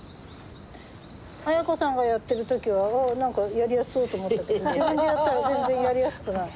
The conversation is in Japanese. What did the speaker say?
綾子さんがやってる時はああ何かやりやすそうと思ったけど自分でやったら全然やりやすくない。